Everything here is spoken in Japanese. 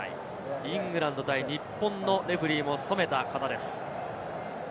イングランド対日本のレフェリーも務めた方です。